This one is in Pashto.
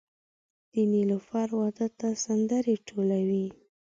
د نیلوفر واده ته سندرې ټولوي